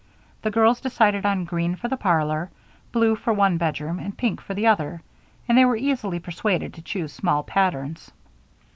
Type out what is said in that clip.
The girls decided on green for the parlor, blue for one bedroom, and pink for the other, and they were easily persuaded to choose small patterns.